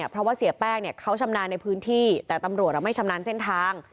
เพราะว่าเสียแป้งเขาชำนาญในพื้นที่แต่ตำรวจไม่ชำนาญเส้นทาง